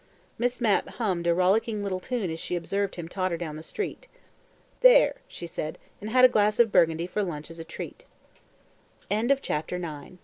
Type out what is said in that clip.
Miss Mapp hummed a rollicking little tune as she observed him totter down the street. "There!" she said, and had a glass of Burgundy for lunch as a treat. CHAPTER TEN The news that Mr.